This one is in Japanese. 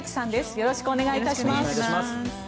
よろしくお願いします。